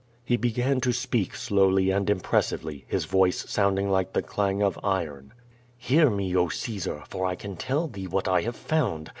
He began to speak slowly and impressivel}', his voice sounding like the clang of iron. "Hear me, oh, Caesar, for I can tell thee what I have found!